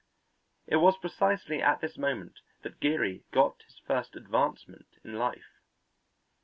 It was precisely at this moment that Geary got his first advancement in life.